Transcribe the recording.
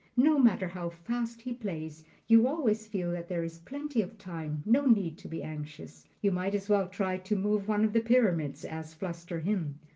No matter how fast he plays you always feel that there is "plenty of time" no need to be anxious! You might as well try to move one of the pyramids as fluster him.